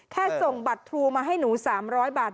แค่ส่งบัตรทรูมาให้หนู๓๐๐บาท